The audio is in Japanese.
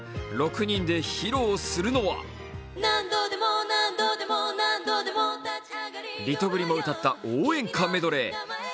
６人で披露するのはリトグリも歌った応援歌メドレー。